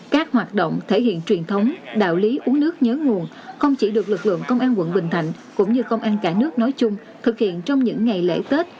các hoạt động thể hiện truyền thống đạo lý uống nước nhớ nguồn không chỉ được lực lượng công an quận bình thạnh cũng như công an cả nước nói chung thực hiện trong những ngày lễ tết